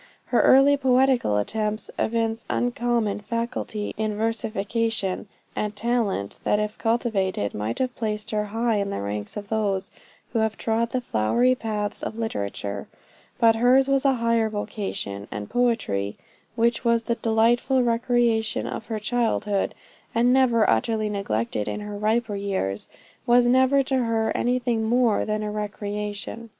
Her early poetical attempts evince uncommon facility in versification; and talent, that if cultivated might have placed her high in the ranks of those who have trod the flowery paths of literature; but hers was a higher vocation; and poetry, which was the delightful recreation of her childhood, and never utterly neglected in her riper years, was never to her anything more than a recreation.